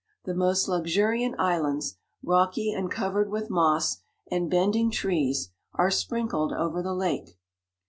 The most luxuriant islands, rocky and covered with moss, and bending trees, are sprinkled over the lake.